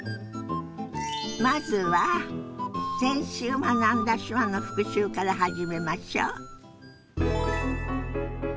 まずは先週学んだ手話の復習から始めましょ。